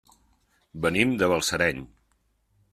Venim de Balsareny.